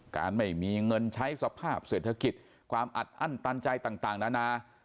การไม่มีเงินใช้สภาพเศรษฐกิจความอัดอั้นตันใจต่างนานา